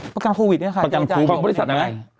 ประกันโควิดเนี่ยค่ะเจอจ่ายโควิดไหม